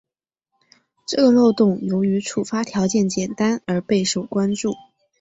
这个漏洞由于触发条件简单而备受关注。